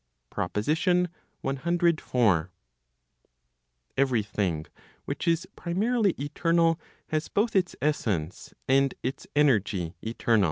PROPOSITION CIV. » Every thing which is primarily eternal, has both its essence and its energy eternal.